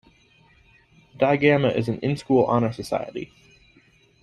Digamma is an in-school honor society.